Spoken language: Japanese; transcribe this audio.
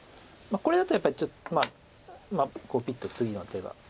これだとやっぱりピッと次の手が。